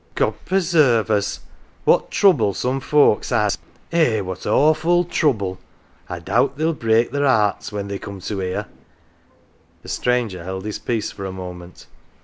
" God preserve us ! what trouble some folks has ! Eh, what awful trouble ! I doubt they'll break their "earts, when they come to 'ear." The stranger held his peace for a moment.